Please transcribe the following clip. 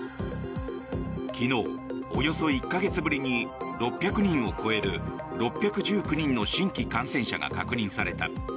昨日、およそ１か月ぶりに６００人を超える６１９人の新規感染者が確認された。